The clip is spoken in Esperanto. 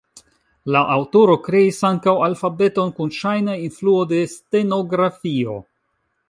La aŭtoro kreis ankaŭ alfabeton kun ŝajna influo de stenografio.